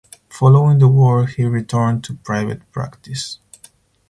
Following the War he returned to private practice.